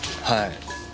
はい。